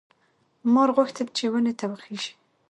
مار غوښتل چې ونې ته وخېژي.